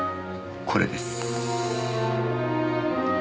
これです。